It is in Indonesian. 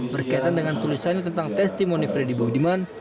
berkaitan dengan tulisannya tentang testimoni freddy budiman